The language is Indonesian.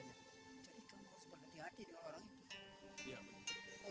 jadi kamu harus berhati hati dengan orang itu